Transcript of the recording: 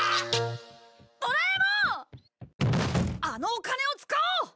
あのお金を使おう！